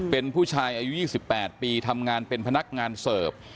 เป็นผู้ชายอายุ๒๘ปีทำงานเป็นพนักงานเสิร์ฟ